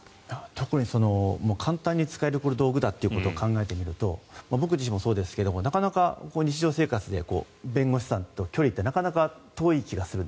特に簡単に使える道具だということを考えてみると僕自身もそうですがなかなか日常生活で弁護士さんと距離ってなかなか遠い気がするので